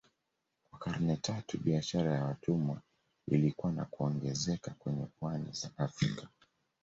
Kwa karne tatu biashara ya watumwa ilikua na kuongezeka kwenye pwani za Afrika